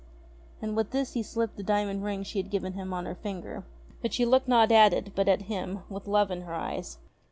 And with this he slipped the diamond ring she had given him on her finger. But she looked not at it, but at him, with love in her eyes.